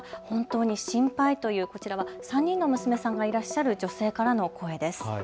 本当に心配というこちらは３人の娘さんがいらっしゃる女性からの声です。